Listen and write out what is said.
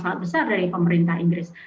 sangat besar dari pemerintah inggris